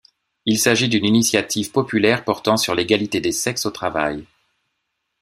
Il s'agit d'une initiative populaire portant sur l'égalité des sexes au travail.